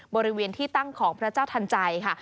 บริเวณที่ตั้งของพระเจ้าทันใจค่ะ